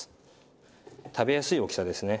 食べやすい大きさですね